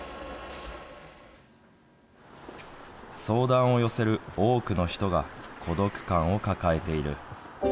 相談を寄せる多くの人が、孤独感を抱えている。